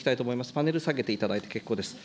パネル下げていただいて結構です。